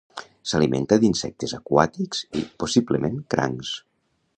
S'alimenta d'insectes aquàtics i, possiblement, crancs.